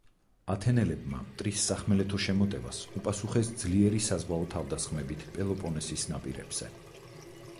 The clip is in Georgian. ათენელებმა მტრის სახმელეთო შემოტევას უპასუხეს ძლიერი საზღვაო თავდასხმებით პელოპონესის ნაპირებზე.